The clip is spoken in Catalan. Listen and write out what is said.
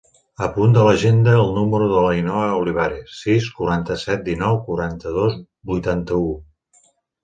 Apunta a l'agenda el número de l'Ainhoa Olivares: sis, quaranta-set, dinou, quaranta-dos, vuitanta-u.